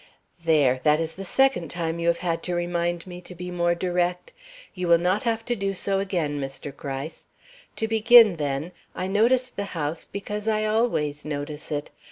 "There! That is the second time you have had to remind me to be more direct. You will not have to do so again, Mr. Gryce. To begin, then, I noticed the house, because I always notice it.